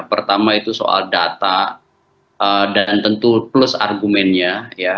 pertama itu soal data dan tentu plus argumennya